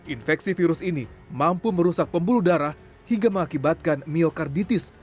infeksi virus ini mampu merusak pembuluh darah hingga mengakibatkan myokarditis